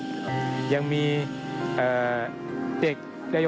ใช่คือที่น้องเล่า